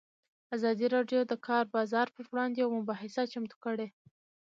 ازادي راډیو د د کار بازار پر وړاندې یوه مباحثه چمتو کړې.